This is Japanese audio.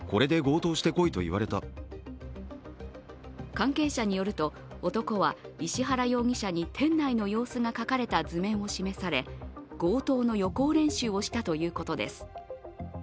関係者によると、男は石原容疑者に店内の様子が描かれた図面を示され強盗の予行練習をしたということです。